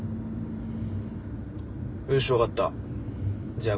よし分かったじゃあ